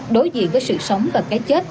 đối diện với sự sống và cái chết